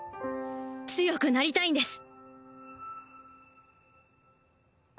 強くなりたいんです